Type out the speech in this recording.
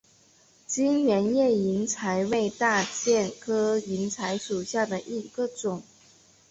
全缘叶银柴为大戟科银柴属下的一个种。